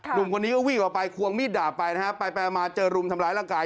หนุ่มคนนี้ก็วิ่งออกไปควงมีดดาบไปนะฮะไปไปมาเจอรุมทำร้ายร่างกาย